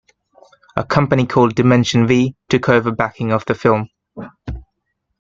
A company called Dimension V took over backing of the film.